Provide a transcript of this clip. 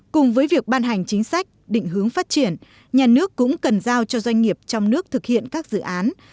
cùng với việc ban hành chính sách định hướng phát triển nhà nước cũng cần giao cho doanh nghiệp trong nước thực hiện các dự án